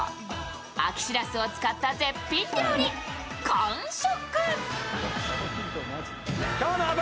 秋しらすを使った絶品料理完食。